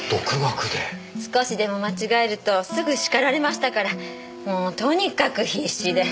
少しでも間違えるとすぐ叱られましたからもうとにかく必死で。